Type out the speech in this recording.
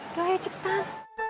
udah yuk cepetan